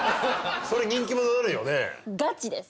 それ人気者になるよね。